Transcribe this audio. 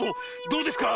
どうですか？